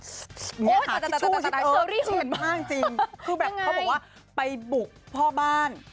หาชิชชู่ชิชเอิร์ดชิดมากจริงคือแบบเขาบอกว่าไปบุกพ่อบ้าน